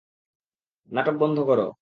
নাটক বন্ধ কর!